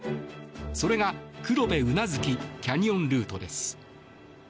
それが、黒部宇奈月キャニオンルートです。